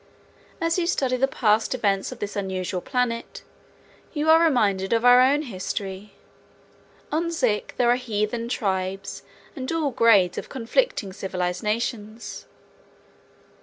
As you study the past events of this unusual planet, you are reminded of our own history. On Zik there are heathen tribes and all grades of conflicting civilized nations.